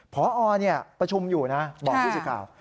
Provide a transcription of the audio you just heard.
พอประชุมอยู่นะครับบอกพี่สุดข่าว